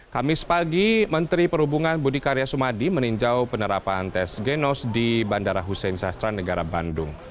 kamis pagi menteri perhubungan budi karya sumadi meninjau penerapan tes genos di bandara hussein sastra negara bandung